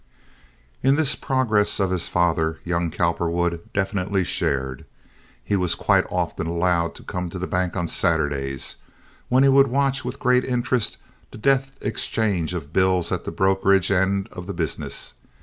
In this progress of his father young Cowperwood definitely shared. He was quite often allowed to come to the bank on Saturdays, when he would watch with great interest the deft exchange of bills at the brokerage end of the business.